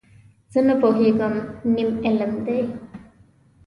زه نه پوهېږم، نیم علم دی.